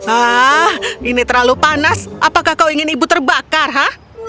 ah ini terlalu panas apakah kau ingin ibu terbakar ha